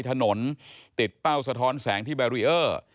ถนนติดเป้าสะท้อนแสงที่แบรีเออร์